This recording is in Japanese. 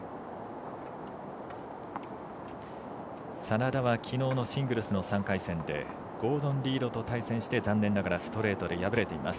眞田はきのうのシングルスの３回戦でゴードン・リードと対戦して残念ながらストレートで敗れています。